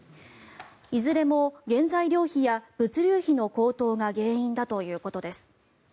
いずれも原材料費や物流費の高騰が原因だということです。